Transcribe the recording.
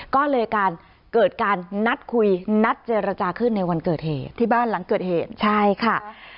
ก็เลยการเกิดการนัดคุยนัดเจรจาขึ้นในวันเกิดเหตุที่บ้านหลังเกิดเหตุใช่ค่ะ